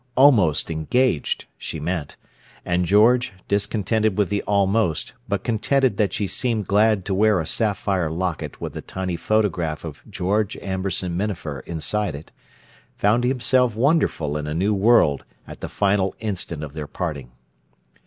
"Almost engaged," she meant. And George, discontented with the "almost," but contented that she seemed glad to wear a sapphire locket with a tiny photograph of George Amberson Minafer inside it, found himself wonderful in a new world at the final instant of their parting.